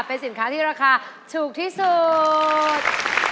เป็นสินค้าที่ราคาถูกที่สุด